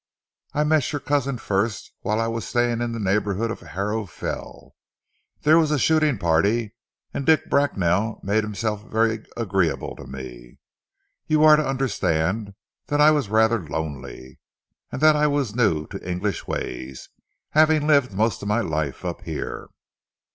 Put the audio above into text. "I met your cousin first, whilst I was staying in the neighbourhood of Harrow Fell. There was a shooting party, and Dick Bracknell made himself very agreeable to me. You are to understand that I was rather lonely, and that I was new to English ways, having lived most of my life up here."